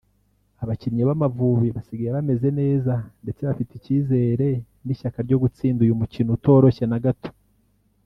Abakinnyi b’Amavubi basigaye bameze neza ndetse bafite icyizere n’ishyaka ryo gutsinda uyu mukino utoroshye na gato